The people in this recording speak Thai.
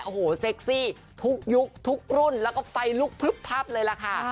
โอ้โหเซ็กซี่ทุกยุคทุกรุ่นแล้วก็ไฟลุกพลึบพับเลยล่ะค่ะ